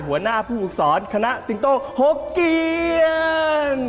หัวหน้าผู้ปลูกศรคณะสิงต้์โต้หกเกียญ